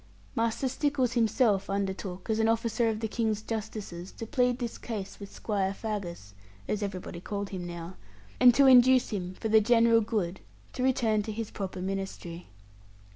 Master Stickles himself undertook, as an officer of the King's Justices to plead this case with Squire Faggus (as everybody called him now), and to induce him, for the general good, to return to his proper ministry.